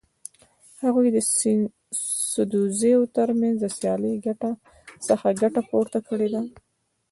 هغوی د سدوزیو تر منځ د سیالۍ څخه ګټه پورته کړه.